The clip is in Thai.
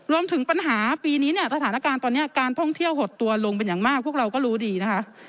รวมถึงปัญหาปีนี้เนี่ยสถานการณ์ตอนนี้การท่องเที่ยวหดตัวลงเป็นอย่างมากพวกเราก็รู้ดีนะคะ